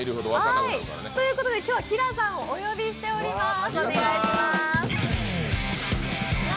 ということで今日はＫｉＬａさんをお呼びしております。